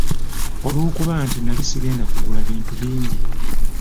Olw'okuba nti nali sigenda kugula bintu bingi.